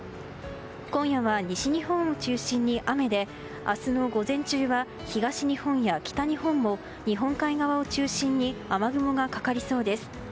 今夜は西日本を中心に雨で明日の午前中は東日本や北日本も日本海側を中心に雨雲がかかりそうです。